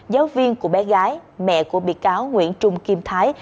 giáo viên của bé gái mẹ của bị cáo nguyễn trung kim thái